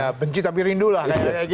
ya benci tapi rindulah